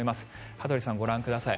羽鳥さん、ご覧ください。